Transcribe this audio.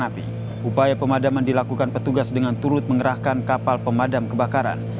api upaya pemadaman dilakukan petugas dengan turut mengerahkan kapal pemadam kebakaran